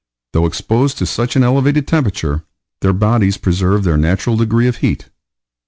Though exposed to such an elevated temperature, their bodies preserved their natural degree of heat.